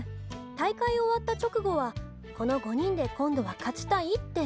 大会終わった直後はこの５人で今度は勝ちたいって」。